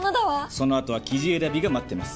そのあとは生地選びが待ってます。